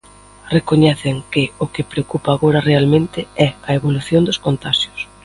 Recoñecen que o que preocupa agora realmente é a evolución dos contaxios.